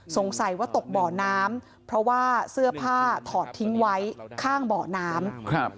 สงสัยว่าตกบ่อน้ำเพราะว่าเสื้อผ้าถอดทิ้งไว้ข้างเบาะน้ำครับ